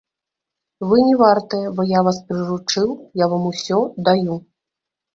Вы не вартыя, бо я вас прыручыў, я вам усё даю.